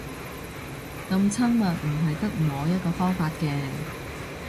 噉親密唔係得摸一個方法嘅